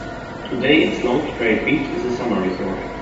Today its long straight beach is a summer resort.